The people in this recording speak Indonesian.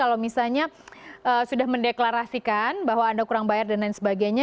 kalau misalnya sudah mendeklarasikan bahwa anda kurang bayar dan lain sebagainya